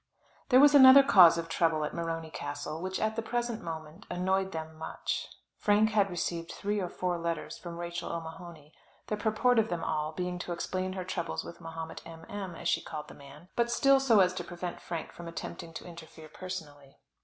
There was another cause of trouble at Morony Castle, which at the present moment annoyed them much. Frank had received three or four letters from Rachel O'Mahony, the purport of them all being to explain her troubles with Mahomet M. M., as she called the man; but still so as to prevent Frank from attempting to interfere personally.